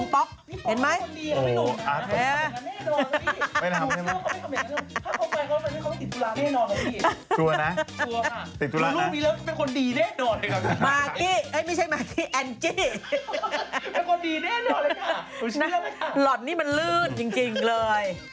เป็นคนดีแน่นอนฮะค่ะหล่อนนี้มันลื่นจริงเลย